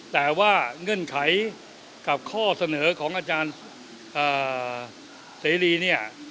แต่ว่าเงื่อนไขกับข้อเสนอของอาจารย์เสรีเนี่ย